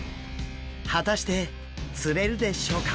果たして釣れるでしょうか？